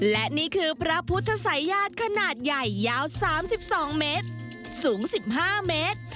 และนี่คือพระพุทธศัยญาติขนาดใหญ่ยาว๓๒เมตรสูง๑๕เมตร